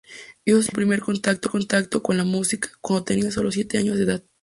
Hizo su primer contacto con la música cuando tenía solo siete años de edad.